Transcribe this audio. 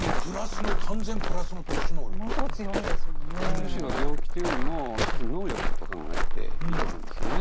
むしろ「病気」というよりも一つの「能力」と考えていいと思うんですよね。